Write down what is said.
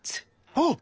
あっ！